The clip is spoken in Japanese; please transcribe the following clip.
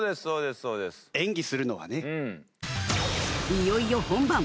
いよいよ本番！